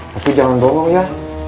tapi jangan bohong ya